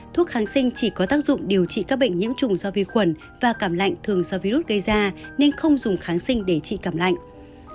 thuốc kháng sinh chỉ có tác dụng điều trị các bệnh nhiễm trùng do vi khuẩn và cảm lạnh thường do virus gây ra nên không dùng kháng sinh để trị cảm lạnh